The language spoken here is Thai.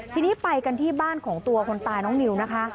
ทีนี้ไปกันที่บ้านของตัวคนตายน้องนิวนะคะ